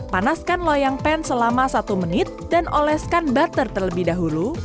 panaskan loyang pan selama satu menit dan oleskan butter terlebih dahulu